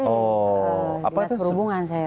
oh di dinas perhubungan saya